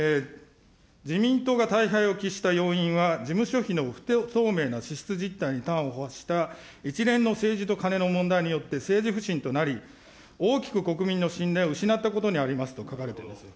自民党が大敗を喫した要因は、事務所費の不透明な支出実態に端を発した一連の政治とカネの問題によって、政治不信となり、大きく国民の信頼を失ったことにありますと書かれています。